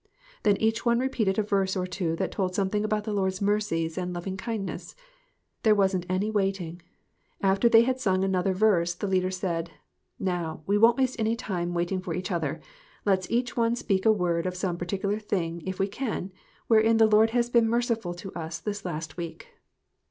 Then each one repeated a verse or two that told something about the Lord's mercies and lov ing kindness. There wasn't any waiting. After they had sung another verse, the leader said "Now, we won't waste any time waiting for each other. Let us each one speak a word of some particular thing, if we can, wherein the Lord has been merciful to us this last week."